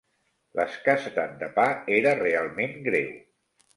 L'escassetat de pa era realment greu.